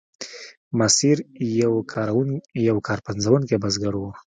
ماسیر یو کار پنځوونکی بزګر و.